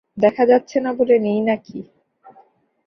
দেখা যাচ্ছে না বলে নেই নাকি!